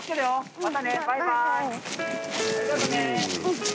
またねバイバイ！